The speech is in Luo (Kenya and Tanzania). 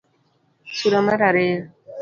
Sura mar ariyo: